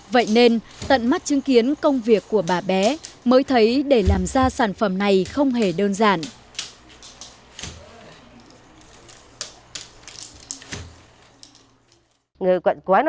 vậy nên tận mắt chứng kiến công việc của bà bé mới thấy để làm ra sản phẩm này không hề đơn giản